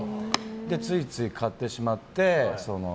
ついつい買ってしまって。